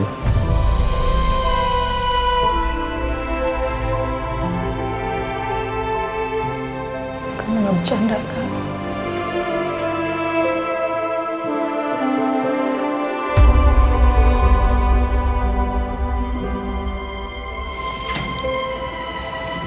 kamu mau bercanda kan